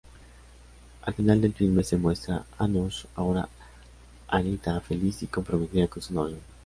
Al final del filme se muestra a Anoosh--ahora Anahita--feliz y comprometida con su novio.